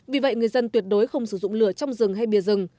vì vậy người dân tuyệt đối không sử dụng lửa trong rừng hay bìa rừng